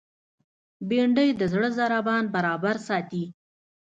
بېنډۍ د زړه ضربان برابر ساتي